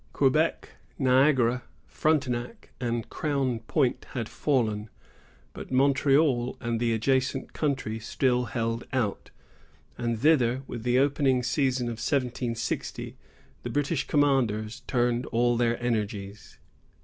Quebec, Niagara, Frontenac, and Crown Point had fallen; but Montreal and the adjacent country still held out, and thither, with the opening season of 1760, the British commanders turned all their energies.